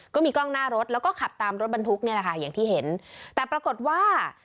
ก็มีกล้องหน้ารถแล้วก็ขับตามรถบรรทุกเนี่ยแหละค่ะอย่างที่เห็นแต่ปรากฏว่า